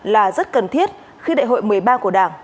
là rất cần thiết khi đại hội một mươi ba của đảng